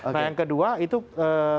nah yang kedua itu jk ya